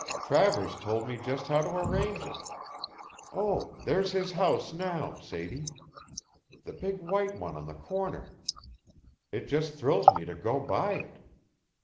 Travers told me just how to arrange it. Oh, there's his house now, Sadie; the big white one on the corner. It just thrills me to go by it.